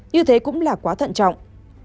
như thế cũng là quá thận trọng